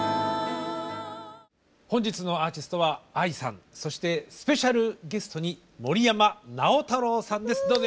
本日のアーティストはＡＩさんそしてスペシャルゲストに森山直太朗さんです。